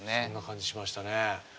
そんな感じしましたね。